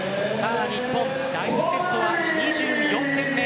日本、第２セットは２４点目。